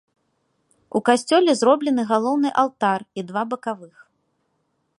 У касцёле зроблены галоўны алтар і два бакавых.